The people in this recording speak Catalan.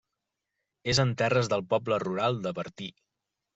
És en terres del poble rural de Bertí.